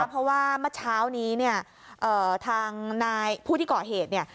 เพราะว่าเมื่อเช้านี้เนี่ยทางนายผู้ที่ก่อเหตุเนี่ย